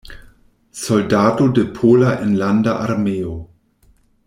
Soldato de Pola Enlanda Armeo.